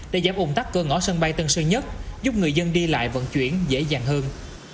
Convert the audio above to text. để giảm ủng tắc cơ ngõ sân bay tân sơn nhất giúp người dân đi lại vận chuyển dễ dàng hơn